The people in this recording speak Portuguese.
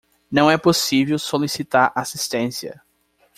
Não é possível solicitar assistência